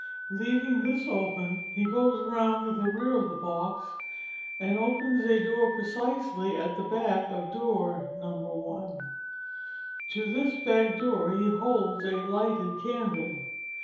Leaving this open, he goes round to the rear of the box, and opens a door precisely at the back of door No. I. To this back door he holds a lighted candle.